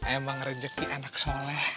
emang rejeki enak soalnya